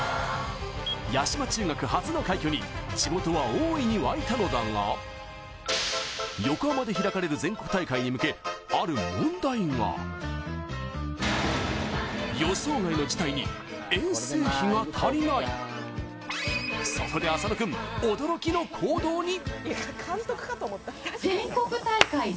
屋島中学初の快挙に地元は大いに沸いたのだが横浜で開かれる全国大会に向け、ある問題が予想外の事態に、遠征費が足りないそこで浅野君、驚きの行動に。